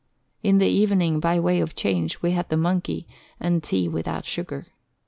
In the even ing, by way of change, we had the monkey, and tea without sugar.